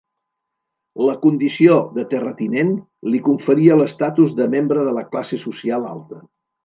La condició de terratinent li conferia l'estatus de membre de la classe social alta.